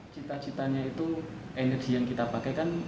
cita citanya itu energi yang kita pakai kan